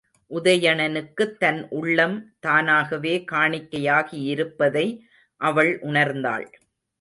உதயணனுக்குத் தன் உள்ளம் தானாகவே காணிக்கையாகியிருப்பதை அவள் உணர்ந்தாள்.